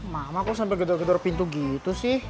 mama kok sampe gedor gedor pintu gitu sih